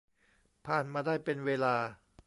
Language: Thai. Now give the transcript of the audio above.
ผ่านมาได้เป็นเวลา